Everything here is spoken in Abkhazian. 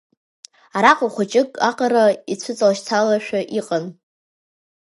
Араҟа хәыҷык аҟара ицәыҵалашьцашәа иҟан.